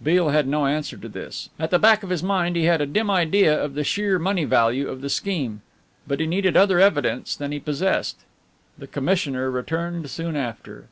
Beale had no answer to this. At the back of his mind he had a dim idea of the sheer money value of the scheme, but he needed other evidence than he possessed. The commissioner returned soon after.